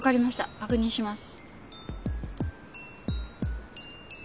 確認します。